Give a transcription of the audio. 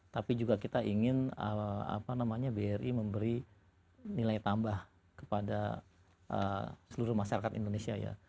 tapi juga kita ingin bri memberi nilai tambah kepada seluruh masyarakat indonesia ya